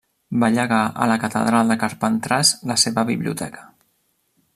Va llegar a la catedral de Carpentràs la seva biblioteca.